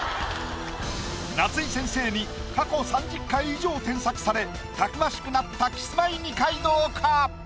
夏井先生に過去３０回以上添削されたくましくなったキスマイ二階堂か？